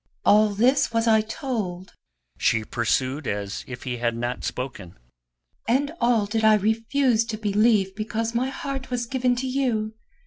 "All this was I told," she pursued as if he had not spoken, "and all did I refuse to believe because my heart was given to you.